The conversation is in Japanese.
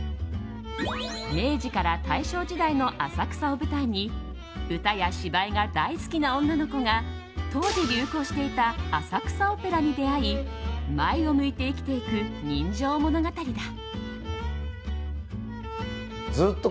明治から大正時代の浅草を舞台に歌や芝居が大好きな女の子が当時流行していた浅草オペラに出会い前を向いて生きていく人情物語だ。